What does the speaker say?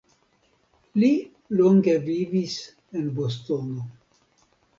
Li longe vivis en Bostono.